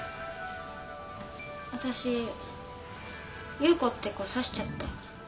わたし優子って子刺しちゃった。